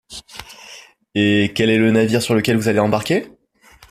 Et quel est le navire sur lequel vous allez embarquer ?…